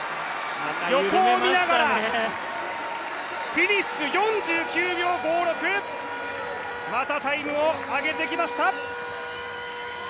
横を見ながらフィニッシュ４９秒５６、またタイムを上げてきました。